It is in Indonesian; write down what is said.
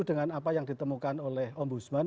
dengan apa yang ditemukan oleh om busman